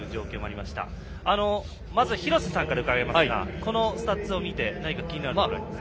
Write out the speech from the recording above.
まず、廣瀬さんから伺いますがこのスタッツを見て何か気になる点はありますか？